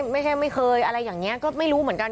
ไม่ใช่ไม่เคยอะไรอย่างนี้ก็ไม่รู้เหมือนกัน